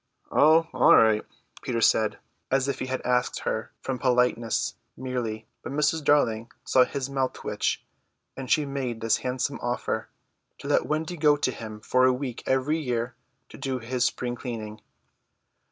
"Oh, all right," Peter said, as if he had asked her from politeness merely; but Mrs. Darling saw his mouth twitch, and she made this handsome offer: to let Wendy go to him for a week every year to do his spring cleaning.